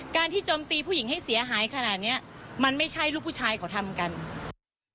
การที่จมตีผู้หญิงให้เสียหายขนาดนี้มันไม่ใช่ลูกผู้ชายของท่านเหมือนกัน